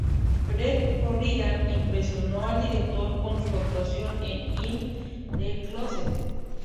Brent Corrigan impresionó al director con su actuación en "In the Closet".